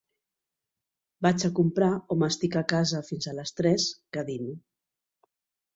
Vaig a comprar o m'estic a casa fins a les tres, que dino.